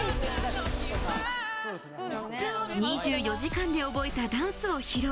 ２４時間で覚えたダンスを披露。